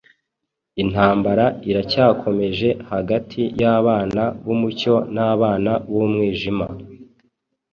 Intambara iracyakomeje hagati y’abana b’umucyo n’abana b’umwijima.